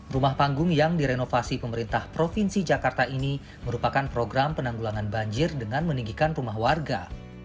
rumah panggung yang direnovasi pemerintah provinsi jakarta ini merupakan program penanggulangan banjir dengan meninggikan rumah warga